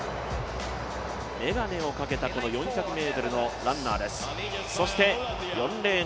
眼鏡をかけたこの４００ｍのランナーです。